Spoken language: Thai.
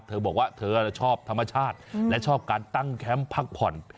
เธอบอกว่าเธอชอบธรรมชาติและชอบการตั้งแคมป์พักผ่อน